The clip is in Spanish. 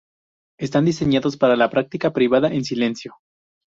Están diseñados para la práctica privada en silencio.